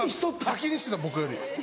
先にしてた僕より。